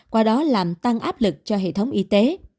qua đó làm tăng áp lực cho hệ thống y tế